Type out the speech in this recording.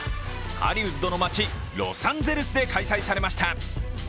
ハリウッドの街、ロサンゼルスで開催されました。